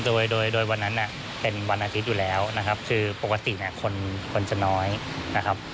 โดยโดยวันนั้นเป็นวันอาทิตย์อยู่แล้วนะครับคือปกติเนี่ยคนคนจะน้อยนะครับ